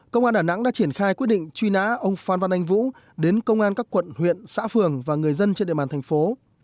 công an đà nẵng đã triển khai quyết định truy nã ông phan văn anh vũ đến công an các quận huyện xã phường và người dân trên địa bàn thành phố